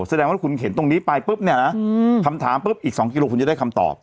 แสดงว่าคุณเข็นตรงนี้ไปปุ๊บเนี่ยนะคำถามปุ๊บอีก๒กิโลคุณจะได้คำตอบ